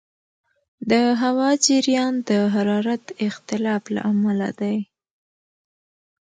د هوا جریان د حرارت اختلاف له امله دی.